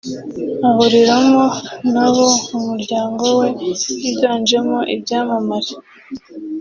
ahuriramo n’abo mu muryango we wiganjemo ibyamamare